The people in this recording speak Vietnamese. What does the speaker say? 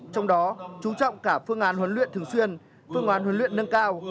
trong đó chú trọng cả phương án huấn luyện thường xuyên phương án huấn luyện nâng cao